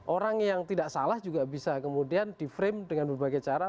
orang yang tidak salah juga bisa kemudian di frame dengan berbagai cara